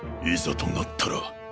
いざとなったら